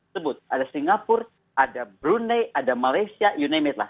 sebut ada singapura ada brunei ada malaysia you name it lah